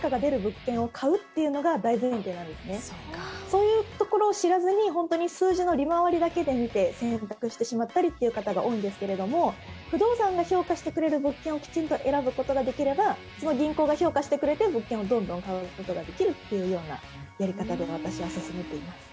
そういうところを知らずに本当に数字の利回りだけで見て選択してしまったりっていう方が多いんですけれども不動産を評価してくれる物件をきちんと選ぶ事ができればその銀行が評価してくれて物件をどんどん買う事ができるっていうようなやり方で私は進めています。